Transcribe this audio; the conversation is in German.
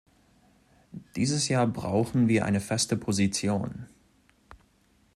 Dieses Jahr brauchen wir eine feste Position.